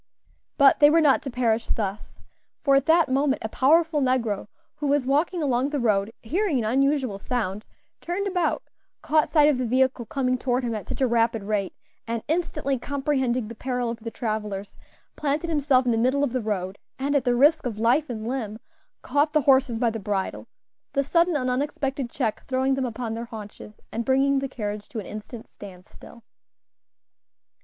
But they were not to perish thus; for at that moment a powerful negro, who was walking along the road, hearing an unusual sound, turned about, caught sight of the vehicle coming toward him at such a rapid rate, and instantly comprehending the peril of the travellers, planted himself in the middle of the road, and, at the risk of life and limb, caught the horses by the bridle the sudden and unexpected check throwing them upon their haunches, and bringing the carriage to an instant stand still.